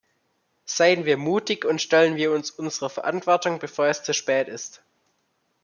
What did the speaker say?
Seien wir mutig und stellen wir uns unserer Verantwortung, bevor es zu spät ist!